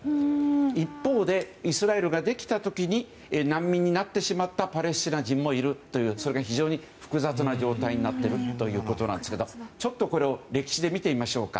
一方でイスラエルができた時に難民になってしまったパレスチナ人もいるということでそれが非常に複雑な状態になっているということですがちょっとこれを歴史で見てみましょうか。